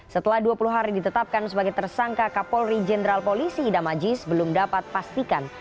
setelah dua puluh hari ditetapkan sebagai tersangka kapolri jenderal polisi idam ajis belum dapat pastikan